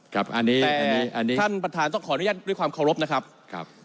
แต่ท่านประธานต้องขออนุญาตด้วยความเคารพนะครับ